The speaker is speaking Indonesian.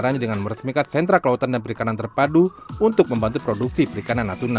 rencananya dengan meresmikan sentra kelautan dan perikanan terpadu untuk membantu produksi perikanan natuna